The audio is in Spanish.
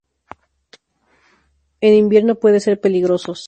En invierno pueden ser peligrosos.